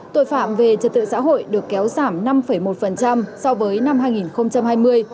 tội phạm về trật tự xã hội được kéo giảm năm một so với năm hai nghìn hai mươi